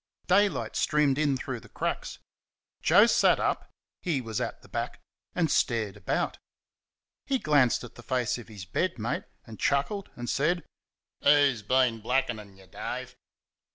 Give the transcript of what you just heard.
Daylight streamed in through the cracks. Joe sat up he was at the back and stared about. He glanced at the face of his bed mate and chuckled and said: "Who's been blackenin' y', Dave?"